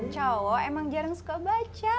cowok emang jarang suka baca